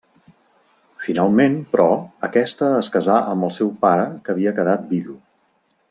Finalment, però, aquesta es casà amb el seu pare que havia quedat vidu.